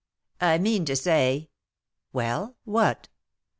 "I mean to say " "Well, what?"